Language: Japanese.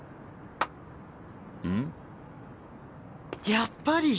やっぱり！